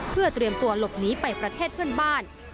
เพื่อเตรียมตัวหลบหนีไปประเทศเพื่อนบ้าน